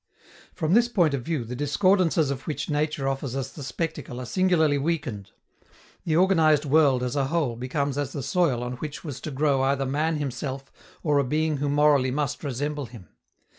From this point of view, the discordances of which nature offers us the spectacle are singularly weakened. The organized world as a whole becomes as the soil on which was to grow either man himself or a being who morally must resemble him.